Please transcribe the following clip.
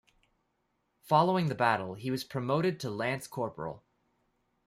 Following the battle he was promoted to lance corporal.